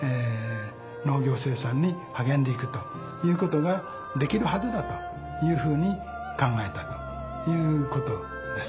農業生産に励んでいくということができるはずだというふうに考えたということです。